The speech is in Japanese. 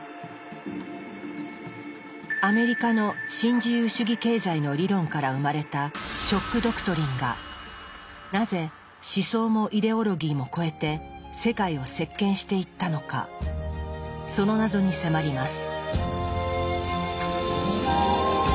アメリカの新自由主義経済の理論から生まれた「ショック・ドクトリン」がなぜ思想もイデオロギーも超えて世界を席巻していったのかその謎に迫ります。